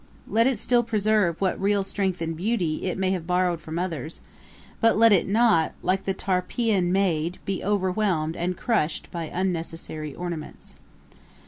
Let it still preserve what real strength and beauty it may have borrowed from others; but let it not, like the Tarpeian maid, be overwhelmed and crushed by unnecessary ornaments.